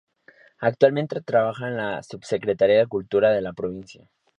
Actualmente trabaja en la Subsecretaría de Cultura de la Provincia.